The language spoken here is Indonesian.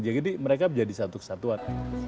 jadi mereka menjadi satu satuan